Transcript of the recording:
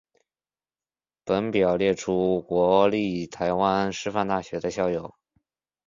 本表列出国立台湾师范大学的校友。